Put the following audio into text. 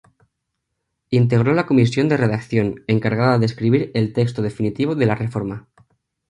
Integró la Comisión de Redacción, encargada de escribir el texto definitivo de la reforma.